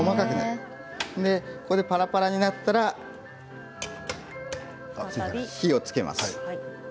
これで、ぱらぱらになったら再び火をつけます。